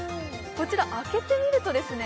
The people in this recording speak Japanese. こちら開けてみるとですね